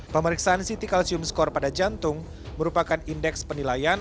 pemeriksaan ct calcium skor pada jantung merupakan indeks penilaian